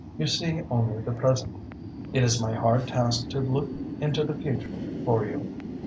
You see only the present. It is my hard task to look into the future for you."